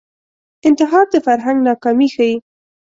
انتحار د فرهنګ ناکامي ښيي